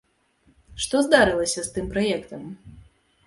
Што здарылася з тым праектам?